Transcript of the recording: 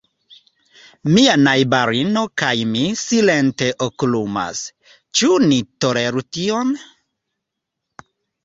Mia najbarino kaj mi silente okulumas: ĉu ni toleru tion?